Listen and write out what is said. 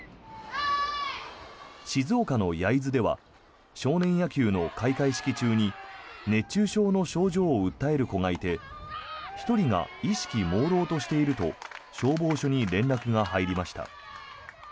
静岡の焼津では少年野球の開会式中に熱中症の症状を訴える子がいて１人が意識もうろうとしていると消防署に連絡が入りました。